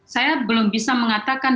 saya belum bisa mengatakan